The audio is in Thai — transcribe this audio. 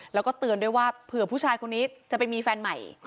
แล้วก็เตือนด้วยว่าเผื่อผู้ชายคนนี้จะไปมีแฟนใหม่